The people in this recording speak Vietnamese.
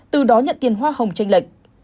từ đó nhận tiền hoa hồng tranh lệch